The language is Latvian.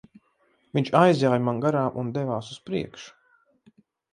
Viņš aizjāja man garām un devās uz priekšu.